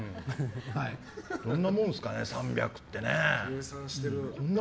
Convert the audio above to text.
こんなもんですかね３００って。